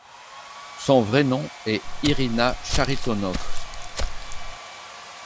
Son vrai nom est Irina Charitonov.